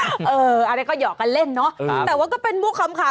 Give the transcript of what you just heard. อันเนี้ยก็หยอกกันเล่นเนอะแต่ก็เป็นมุขคำ